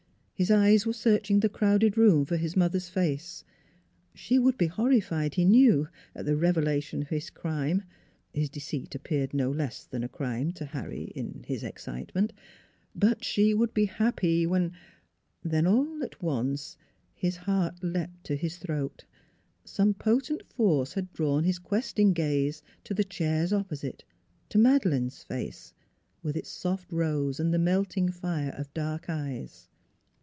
His eyes were searching the crowded room for his mother's face. She would be horrified, he knew, at the revelation of his crime his deceit appeared no less than a crime to Harry in his excitement but she would be happy when Then all at once his heart leaped to his throat. ... Some potent force had drawn his questing gaze to the chairs oppo site to Madeleine's face, with its soft rose and the melting fire of dark eyes.